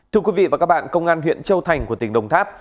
thưa quý vị và các bạn công an huyện châu thành của tỉnh đồng tháp